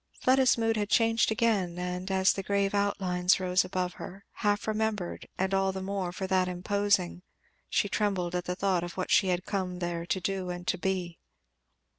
Fleda's mood had changed again; and as the grave outlines rose above her, half remembered and all the more for that imposing, she trembled at the thought of what she had come there to do and to be.